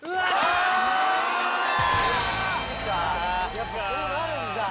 やっぱそうなるんだ。